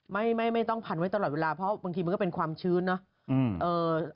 ไม่ไม่ไม่ต้องพันไว้ตลอดเวลาเพราะบางทีมันก็เป็นความชื้นเนาะ